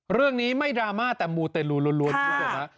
เรื่องนี้ไม่ดราม่าแต่มูลเต็มรู้รวมดีกว่านะครับ